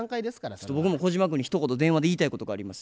ちょっと僕も小島君にひとこと電話で言いたいことがあります。